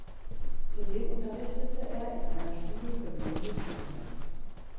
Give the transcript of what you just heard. Zudem unterrichtete er in einer Schule für blinde Kinder.